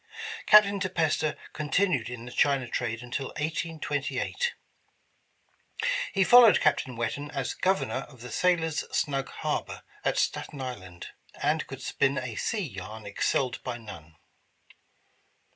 Captain De Peyster continued in the China trade until 1828. He fol lowed Captain Whetten as Governor of the Sailors' Snug Harbor at Staten Island, and could spin a sea yarn excelled by none.